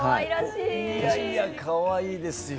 いやいやかわいいですよ。